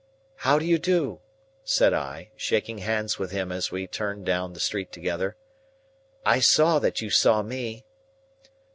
"How do you do?" said I, shaking hands with him as we turned down the street together. "I saw that you saw me."